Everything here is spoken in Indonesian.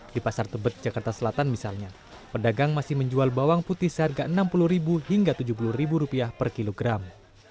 di pasar tebet jakarta selatan misalnya pedagang masih menjual bawang putih seharga rp enam puluh hingga rp tujuh puluh per kilogram